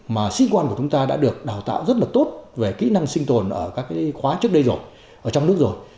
mà sĩ quan của chúng ta đã được đào tạo rất là tốt về kỹ năng sinh tồn ở các khóa trước đây rồi ở trong nước rồi